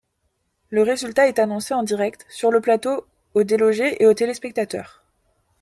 Le résultat est annoncé en direct, sur le plateau, au délogé et aux téléspectateurs.